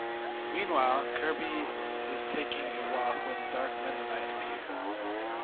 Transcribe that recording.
Meanwhile, Kirby is taking a walk when Dark Meta Knight appears.